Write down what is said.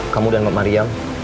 kamu dan mbak mariam